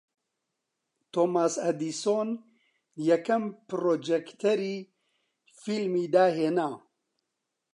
تۆماس ئەدیسۆن یەکەم پڕۆجێکتەری فیلمی داھێنا